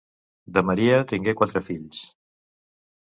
De Maria, tingué quatre fills: